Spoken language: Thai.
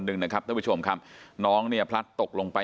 หนึ่งนะครับท่านผู้ชมครับน้องเนี่ยพลัดตกลงไป